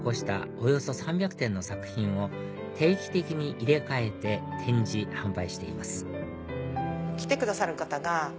およそ３００点の作品を定期的に入れ替えて展示・販売しています来てくださる方が。